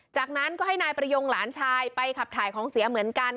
จากนั้นก็ให้นายประยงหลานชายไปขับถ่ายของเสียเหมือนกัน